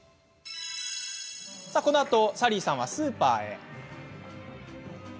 このあとサリーさんはスーパーへ。